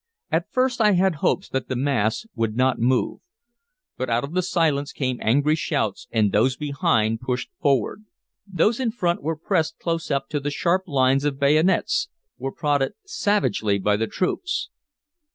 At first I had hopes that the mass would not move. But out of the silence came angry shouts and those behind pushed forward. Those in front were pressed close up to the sharp lines of bayonets, were prodded savagely by the troops.